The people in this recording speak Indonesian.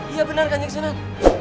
iya benar kanjeng sunan